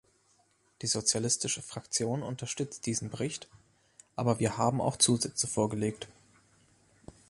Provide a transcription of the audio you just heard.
Die Sozialistische Fraktion unterstützt diesen Bericht, aber wir haben auch Zusätze vorgelegt.